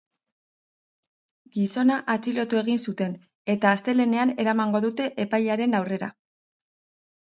Gizona atxilotu egin zuten, eta astelehenean eramango dute epailearen aurrera.